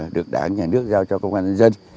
được đảng nhà nước giao cho công an nhân dân